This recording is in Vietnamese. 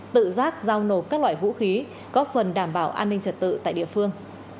tự giác giao nổ các loại vũ khí có phần đảm bảo an ninh trật tự tại địa phương